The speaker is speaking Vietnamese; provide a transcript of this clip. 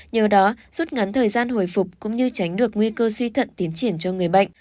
nhờ đó rút ngắn thời gian hồi phục cũng như tránh được nguy cơ suy thận tiến triển cho người bệnh